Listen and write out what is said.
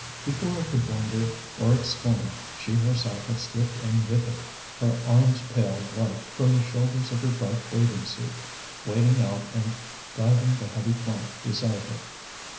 Before I could wonder or exclaim she herself had slipped in with it, her arms pale white from the shoulders of her dark bathing suit, wading out and guiding the heavy plank beside her.